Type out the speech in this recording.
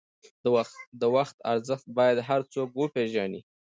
د وخت ارزښت باید هر څوک وپېژني.